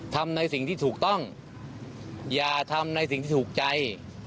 ทำในสิ่งที่ถูกต้องอย่าทำในสิ่งที่ถูกใจ